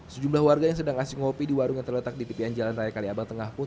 sejumlah warga yang sedang asik ngopi di warung yang terletak di tepian jalan raya kaliabang tengah pun